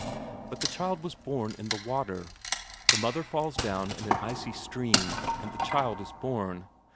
But the child was born in the water the mother falls down in an icy stream, and the child is born.